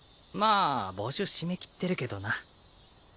あ募集締め切ってるけどな。